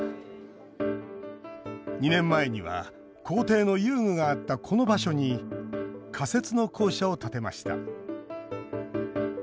２年前には校庭の遊具があったこの場所に仮設の校舎を建てました。